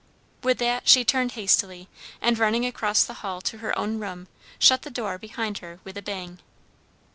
With that she turned hastily, and, running across the hall to her own room, shut the door behind her with a bang.